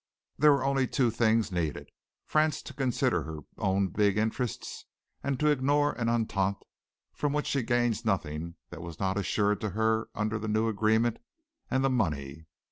There were only two things needed: France to consider her own big interests and to ignore an entente from which she gains nothing that was not assured to her under the new agreement, and the money.